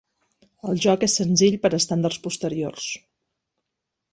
El joc és senzill per estàndards posteriors.